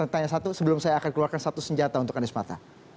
tanya satu sebelum saya akan keluarkan satu senjata untuk anies mata